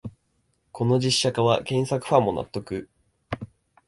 この実写化は原作ファンも納得